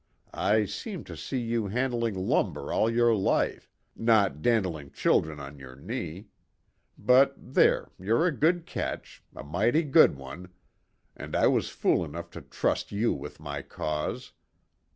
I seem to see you handling lumber all your life, not dandling children on your knee. But there, you're a good catch a mighty good one. And I was fool enough to trust you with my cause.